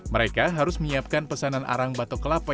mereka harus menyiapkan pesanan arang batok kelapa